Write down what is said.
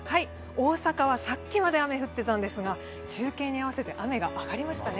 大阪はさっきまで雨降っていたんですが中継に合わせて雨が上がりましたね。